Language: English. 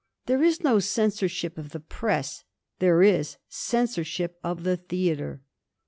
There is no censorship of the press; there is a censorship of the theatre.